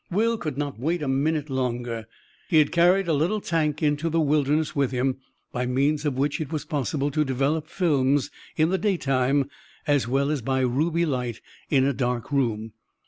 Will could not wait a minute longer. He had carried a little tank into the wilderness with him, by means of which it was possible to develop films in the daytime as well as by ruby light in a dark room.